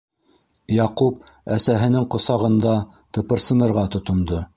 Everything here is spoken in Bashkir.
Яҡуп әсәһенең ҡосағында тыпырсынырға тотондо: